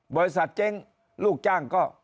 บริษัทเจ๊งลูกจ้างก็